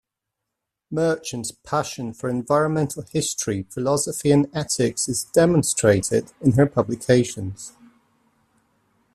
Merchant's passion for environmental history, philosophy and ethics is demonstrated in her publications.